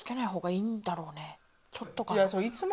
ちょっとかな？